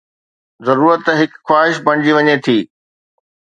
ضرورت هڪ خواهش بڻجي وڃي ٿي